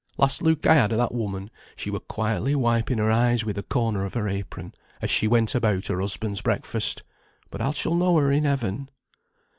Last look I had o' that woman she were quietly wiping her eyes wi' the corner of her apron, as she went about her husband's breakfast. But I shall know her in heaven."